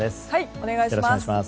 お願いします。